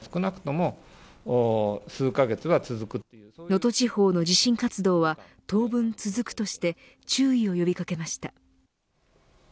能登地方の地震活動は当分続くとして注意を呼び掛けました。